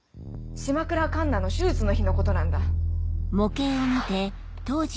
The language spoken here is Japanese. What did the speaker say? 島倉栞奈の手術の日のことなんだ。